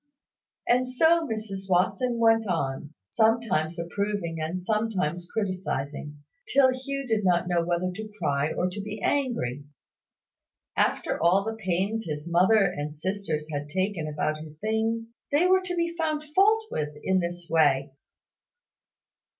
And so Mrs Watson went on, sometimes approving and sometimes criticising, till Hugh did not know whether to cry or to be angry. After all the pains his mother and sisters had taken about his things, they were to be found fault with in this way!